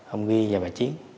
ông ghi và bà chiết